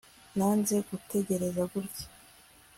nanze gutegereza gutya